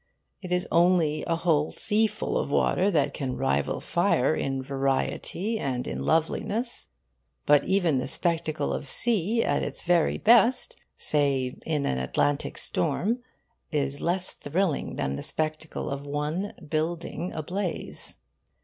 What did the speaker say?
It is only a whole seaful of water that can rival fire in variety and in loveliness. But even the spectacle of sea at its very best say in an Atlantic storm is less thrilling than the spectacle of one building ablaze.